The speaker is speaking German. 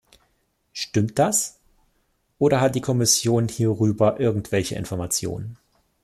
Stimmt das, oder hat die Kommission hierüber irgendwelche Informationen?